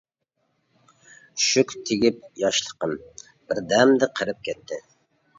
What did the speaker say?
ئۈششۈك تېگىپ ياشلىقىم، بىردەمدە قېرىپ كەتتى.